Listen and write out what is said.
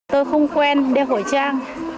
tôi không quen đeo khẩu trang